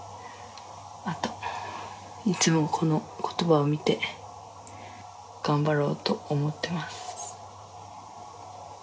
あといつもこの言葉を見て頑張ろうと思ってます